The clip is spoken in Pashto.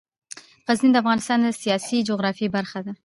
غزني د افغانستان د سیاسي جغرافیه برخه ده.